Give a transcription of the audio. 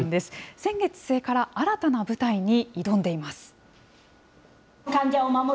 先月末から新たな舞台に挑んでいます。